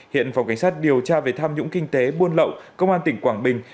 hiện phòng cảnh sát điều tra về tham nhũng kinh tế buôn lậu công an tỉnh quảng bình